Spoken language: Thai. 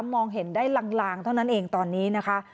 มองเห็นได้ลางเท่านั้นเองตอนนี้นะคะ